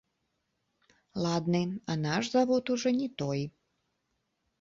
Ладны, а наш завод ужо не той.